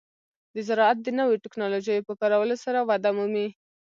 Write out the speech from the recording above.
د زراعت د نوو ټکنالوژیو په کارولو سره وده مومي.